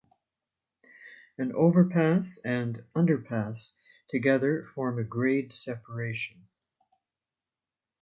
An "overpass" and "underpass" together form a grade separation.